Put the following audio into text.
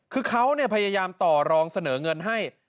คือเขาพยายามต่อรองเสนอเงินให้